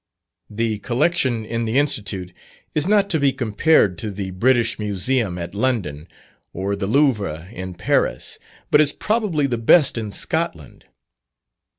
The collection in the Institute is not to be compared to the British Museum at London, or the Louvre at Paris, but is probably the best in Scotland.